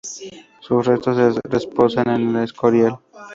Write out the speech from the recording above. Sus restos reposan en El Escorial.